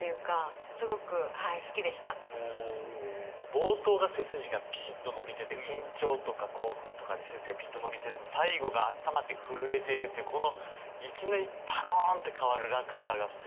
冒頭が背筋がピシッと伸びてて緊張とか興奮とかで背筋がピシッと伸びてる最後があったまって震えているというこのいきなりパコンって変わる落差がすてきですよね。